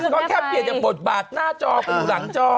ก็แค่เปลี่ยนจากบทบาทหน้าจอไปอยู่หลังจอ